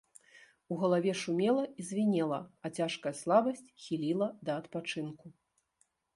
У галаве шумела і звінела, а цяжкая слабасць хіліла да адпачынку.